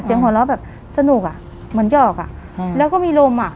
เสียงหัวล้อแบบสนุกอ่ะเหมือนหยอกอ่ะอืมแล้วก็มีลมอ่ะ